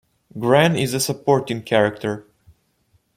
Gran is a supporting character.